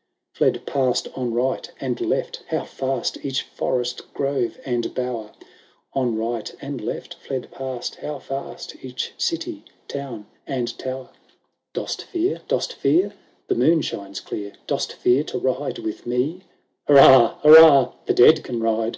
XLVIII Fled past on right and left how fast Each forest, grove, and bower ; On right and left fled past how fast Each city, town, and tower. ■WILLIA1I AXD HELEX. 715 XLIX " Dost fear ? dost fear ?— The moon shines clear ;— Dost fear to ride with me ?— Hurrah ! hurrah ! The dead can ride